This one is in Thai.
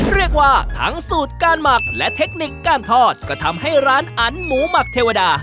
เรียกว่าทั้งสูตรการหมักและเทคนิคการทอดก็ทำให้ร้านอันหมูหมักเทวดา